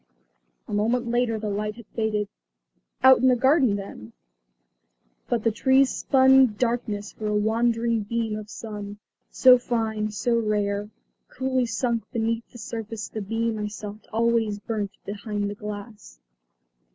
A moment later the light had faded. Out in the garden then? But the trees spun darkness for a wandering beam of sun. So fine, so rare, coolly sunk beneath the surface the beam I sought always burnt behind the glass.